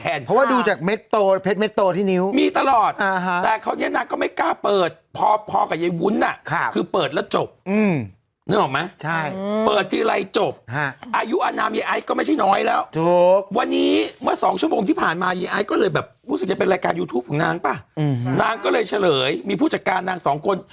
เพราะว่าดูจากเม็ดโตแพ็ดเม็ดโตที่นิ้วมีตลอดอ่าฮะแต่เขาเนี้ยนางก็ไม่กล้าเปิดพ่อพ่อกับเย้วุ้นน่ะครับคือเปิดแล้วจบอืมนึกออกไหมใช่อืมเปิดทีไรจบฮะอายุอนามเย้ไอซ์ก็ไม่ใช่น้อยแล้วถูกวันนี้เมื่อสองชั่วโมงที่ผ่านมาเย้ไอซ์ก็เลยแบบรู้สึกจะเป็นรายการยูทูปของน